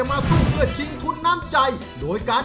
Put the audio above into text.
ไม่อ้าว